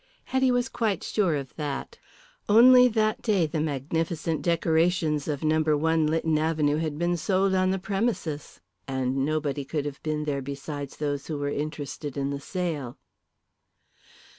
Hetty was quite sure of that. Only that day the magnificent decorations of No. 1, Lytton Avenue, had been sold on the premises, and nobody could have been there besides those who were interested in the sale.